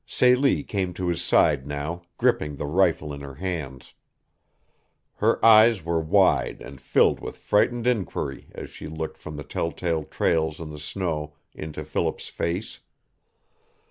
Celie came to his side now, gripping the rifle in her hands. Her eyes were wide and filled with frightened inquiry as she looked from the tell tale trails in the snow into Philip's face.